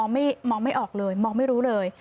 มองไม่ออกเลยมองไม่รู้เลย